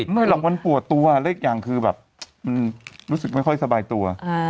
ไม่หรอกมันปวดตัวและอีกอย่างคือแบบมันรู้สึกไม่ค่อยสบายตัว